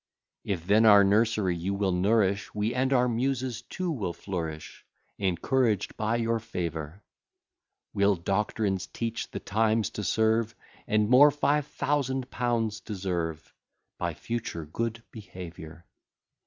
If then our nursery you will nourish, We and our Muses too will flourish, Encouraged by your favour; We'll doctrines teach the times to serve, And more five thousand pounds deserve, By future good behaviour.